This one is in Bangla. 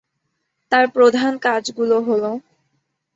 তার প্রধান কাজগুলো হল